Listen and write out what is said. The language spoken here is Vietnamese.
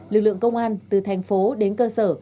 lực lượng công an từ thành phố đến cơ sở